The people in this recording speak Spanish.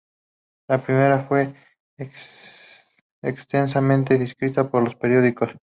La primera fue extensamente descrita por los periódicos.